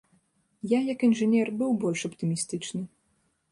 Я, як інжынер, быў больш аптымістычны.